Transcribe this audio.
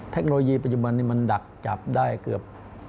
เทคโนโลยีปัจจุบันนี้มันดักจับได้เกือบ